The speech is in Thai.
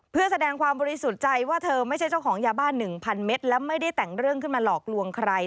เพื่อแสดงความบริสุทธิ์ใจว่าเธอไม่ใช่เจ้าของยาบ้าน๑๐๐เมตรและไม่ได้แต่งเรื่องขึ้นมาหลอกลวงใคร